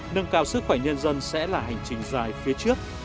nâng cao sức khỏe nhân dân sẽ là hành trình dài phía trước